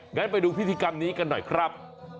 งั้นไปดูพิธีกรรมนี้กันหน่อยครับ